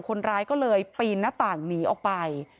คนร้ายก็เลยปีนหน้าต่างหนีออกไป